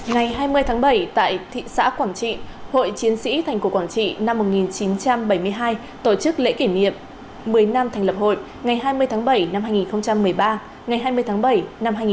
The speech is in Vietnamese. ngày hai mươi tháng bảy tại thị xã quảng trị hội chiến sĩ thành cổ quảng trị năm một nghìn chín trăm bảy mươi hai tổ chức lễ kỷ niệm một mươi năm thành lập hội ngày hai mươi tháng bảy năm hai nghìn một mươi ba ngày hai mươi tháng bảy năm hai nghìn một mươi chín